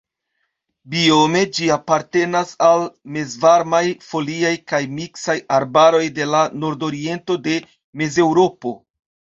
Biome ĝi apartenas al mezvarmaj foliaj kaj miksaj arbaroj de la nordoriento de Mezeŭropo.